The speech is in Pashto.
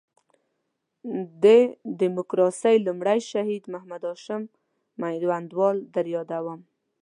د ډیموکراسۍ لومړی شهید محمد هاشم میوندوال در یادوم.